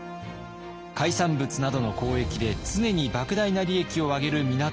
海産物などの交易で常にばく大な利益をあげる港があります。